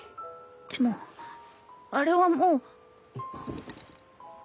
でもあれはもう。